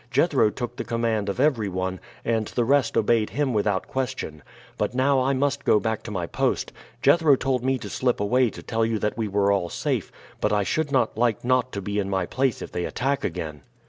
Jethro took the command of everyone, and the rest obeyed him without question. But now I must go back to my post. Jethro told me to slip away to tell you that we were all safe, but I should not like not to be in my place if they attack again."